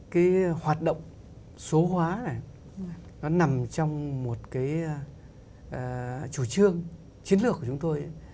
cái hoạt động số hóa này nó nằm trong một cái chủ trương chiến lược của chúng tôi